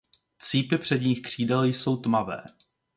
Cípy předních křídel jsou tmavé.